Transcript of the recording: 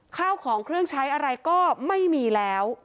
ข้าวของเครื่องใช้อะไรก็ไม่มีแล้ว